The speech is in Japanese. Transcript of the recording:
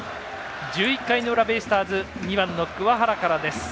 １１回の裏、ベイスターズ２番の桑原からです。